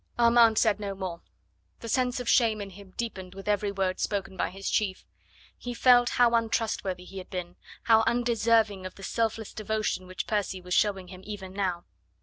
Armand said no more. The sense of shame in him deepened with every word spoken by his chief. He felt how untrustworthy he had been, how undeserving of the selfless devotion which Percy was showing him even now.